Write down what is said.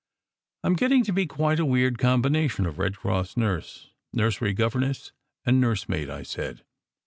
"I m getting to be quite a weird combination of Red Cross nurse, nursery governess, and nursemaid," I said.